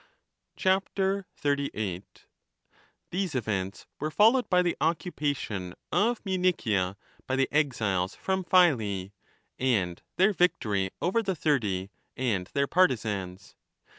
38 These events were followed by the occupation of Munichia by the exiles from Phyle, and their victory over the Thirty and their partisans.